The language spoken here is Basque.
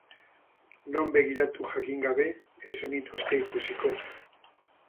Non begiratu jakin gabe, ez zenituzke ikusiko.